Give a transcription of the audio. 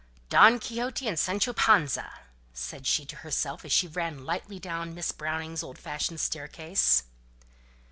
"Don Quixote and Sancho Panza!" said she to herself as she ran lightly down Miss Browning's old fashioned staircase.